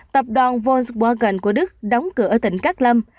tập đoàn volkswagen của đức đóng cửa ở tỉnh cát lâm